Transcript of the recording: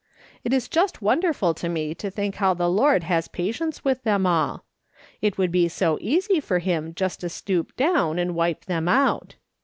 It is just wonderful to me to think how the Lord has patience with them all. It would be so easy for him just to stoop down and wipe them out!